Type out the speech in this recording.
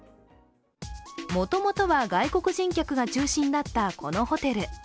もともとは外国人客が中心だったこのホテル。